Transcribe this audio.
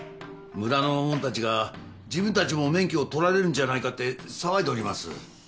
村のもんたちが自分たちも免許を取られるんじゃないかって騒いどります。